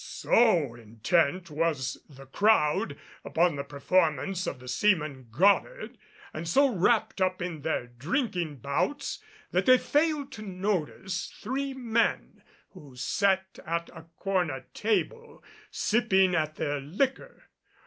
So intent was the crowd upon the performance of the seaman Goddard and so wrapped up in their drinking bouts that they failed to notice three men who sat at a corner table sipping at their liquor.